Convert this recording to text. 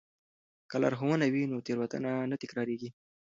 که لارښوونه وي نو تېروتنه نه تکراریږي.